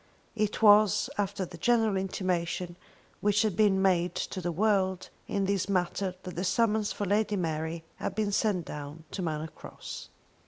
It was after the general intimation which had been made to the world in this matter that the summons for Lady Mary had been sent down to Manor Cross.